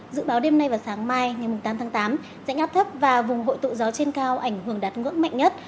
dự báo đêm nay và sáng mai rãnh áp thấp và vùng hội tụ gió trên cao ảnh hưởng đạt ngưỡng mạnh nhất